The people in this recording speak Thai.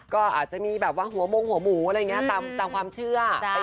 ก็อาจมีหัวมงดหัวหมูตามความเชื่อ